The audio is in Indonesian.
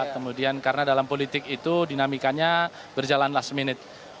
kemudian karena dalam politik itu dinamikanya berjalan last minute